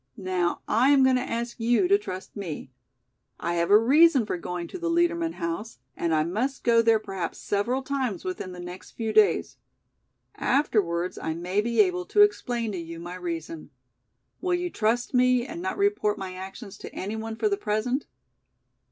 "Now I am going to ask you to trust me. I have a reason for going to the Liedermann house and I must go there perhaps several times within the next few days. Afterwards I may be able to explain to you my reason. Will you trust me and not report my actions to any one for the present?"